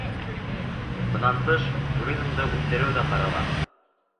Бынан тыш, туризмды үҫтереү ҙә ҡарала.